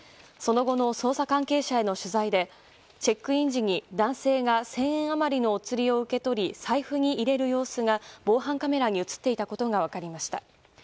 その後の捜査関係者への取材でチェックイン時に男性が１０００円余りのお釣りを受け取り財布に入れる様子が防犯カメラに映っていたことが分かりました。